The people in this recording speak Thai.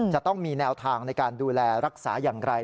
จะต้องมีแนวทางในการดูแลรักษาอย่างไร